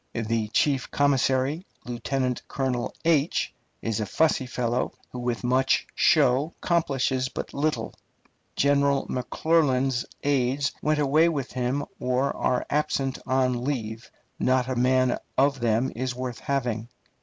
The chief commissary, Lieutenant Colonel , is a fussy fellow, who with much show accomplishes but little. General McClernand's aides went away with him or are absent on leave. Not a man of them is worth having.